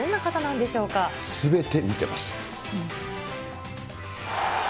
すべて見てます。